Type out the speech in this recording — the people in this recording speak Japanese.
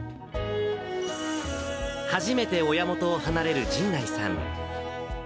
初めて親元を離れる神内さん。